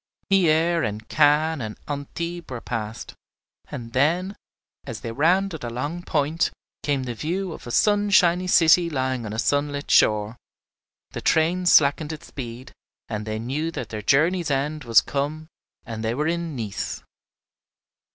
Hyères and Cannes and Antibes were passed, and then, as they rounded a long point, came the view of a sunshiny city lying on a sunlit shore; the train slackened its speed, and they knew that their journey's end was come and they were in Nice.